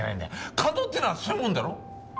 肝臓ってのはそういうもんだろ？